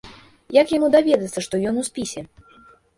Як яму даведацца, што ён у спісе?